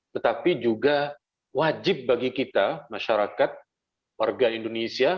tetapi juga wajib bagi kita masyarakat warga indonesia